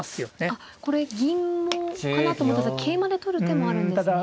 あっこれ銀かなと思ったんですが桂馬で取る手もあるんですね。